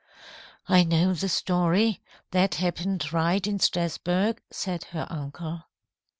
"I know the story. That happened right in Strasburg," said her uncle.